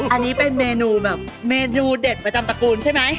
อันนี้เป็นเมนูแบบเมนูเด็ดประจำตระกูลใช่ไหม